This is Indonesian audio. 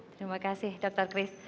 terima kasih dr chris